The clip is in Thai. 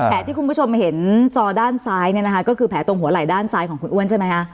ที่คุณผู้ชมเห็นจอด้านซ้ายเนี่ยนะคะก็คือแผลตรงหัวไหล่ด้านซ้ายของคุณอ้วนใช่ไหมคะ